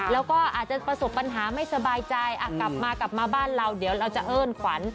แล้วก็อาจจะประสบปัญหาไม่สบายใจกลับมากลับมาบ้านเราเดี๋ยวเราจะเอิ้นขวัญ